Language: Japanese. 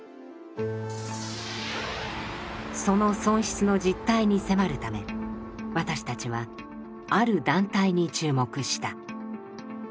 その損失の実態に迫るため私たちはある団体に注目した。